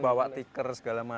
bawa tikar segala macam